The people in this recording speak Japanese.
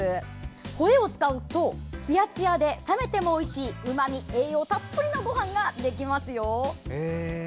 ホエーを使うとつやつやで冷めてもおいしいうまみ、栄養たっぷりのごはんができますよ。